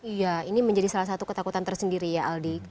iya ini menjadi salah satu ketakutan tersendiri ya aldi